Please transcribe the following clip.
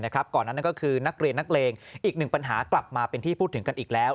ก่อนนั้นก็คือนักเรียนนักเลงอีกหนึ่งปัญหากลับมาเป็นที่พูดถึงกันอีกแล้ว